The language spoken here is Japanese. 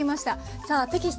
さあテキスト